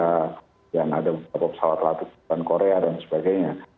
kemudian ada beberapa pesawat latif dan korea dan sebagainya